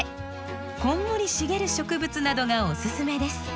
こんもり茂る植物などがおすすめです。